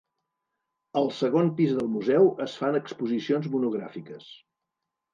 Al segon pis del museu es fan exposicions monogràfiques.